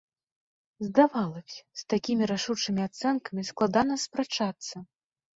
Здавалася б, з такімі рашучымі ацэнкамі складана спрачацца.